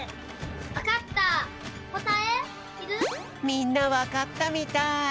みんなわかったみたい。